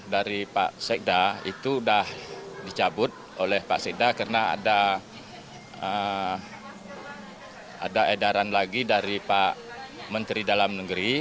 jadi pak sekda itu sudah dicabut oleh pak sekda karena ada edaran lagi dari pak menteri dalam negeri